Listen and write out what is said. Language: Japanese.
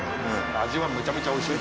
味はめちゃめちゃおいしい。